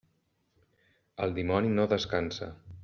El dimoni no descansa.